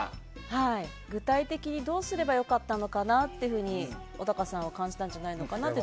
具体的にどうすればよかったのかなと小高さんは感じたんじゃないかなと。